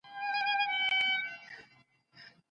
هغه لاسته راوړنې ترلاسه کړي دي.